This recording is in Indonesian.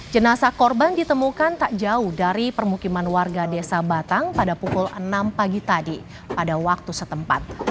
jenasa korban ditemukan tak jauh dari permukiman warga desa batang pada pukul enam pagi tadi pada waktu setempat